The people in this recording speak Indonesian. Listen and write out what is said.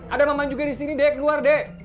ada mama juga di sini de keluar de